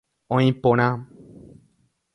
Oĩ porã.